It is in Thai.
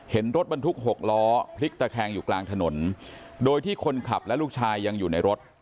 รถบรรทุกหกล้อพลิกตะแคงอยู่กลางถนนโดยที่คนขับและลูกชายยังอยู่ในรถ